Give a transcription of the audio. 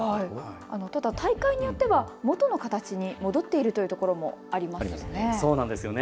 ただ大会によっては元の形に戻っているというところもありますよね。